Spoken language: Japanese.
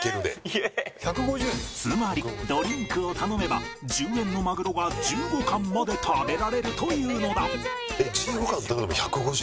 つまりドリンクを頼めば１０円のまぐろが１５貫まで食べられるというのだ。